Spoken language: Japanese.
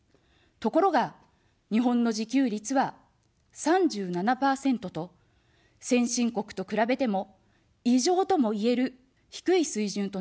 ところが、日本の自給率は３７％と、先進国と比べても、異常ともいえる低い水準となっています。